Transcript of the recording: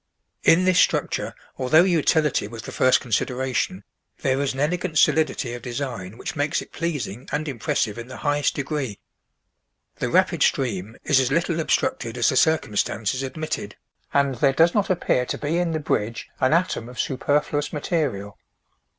In this structure although utility was the first consideration, there in an elegant solidity of design which makes it pleasing and impressive in the highest degree. The rapid stream is as little obstructed as the circumstances admitted, and there does not appear to be in the bridge an atom of superfluous material.